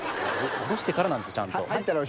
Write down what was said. おろしてからなんですよちゃんと。